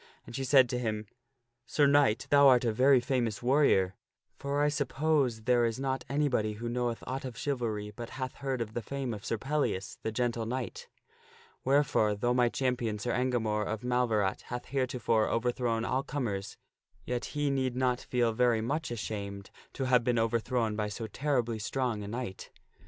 And she said to him, "Sir Knight, thou art a very famous warrior ; for I suppose there is not anybody who knoweth aught of chivalry but hath heard of the fame of Sir Pellias, the Gentle Knight. Wherefore, though my champion Sir Engamore of Mal verat hath heretofore overthrown all comers, yet he need not feel very much ashamed to have been overthrown by so terribly strong a knight."